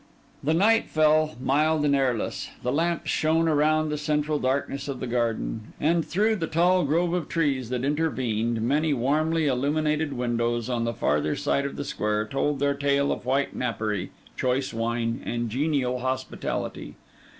The night fell, mild and airless; the lamps shone around the central darkness of the garden; and through the tall grove of trees that intervened, many warmly illuminated windows on the farther side of the square, told their tale of white napery, choice wine, and genial hospitality.